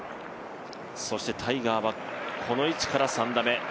そしてタイガーは、この位置から３打目。